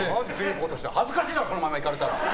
恥ずかしいだろこのままいかれたら！